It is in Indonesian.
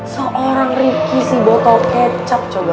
seorang riki si botol kecap coba